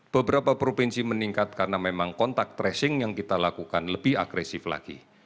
beberapa provinsi meningkat karena memang kontak tracing yang kita lakukan lebih agresif lagi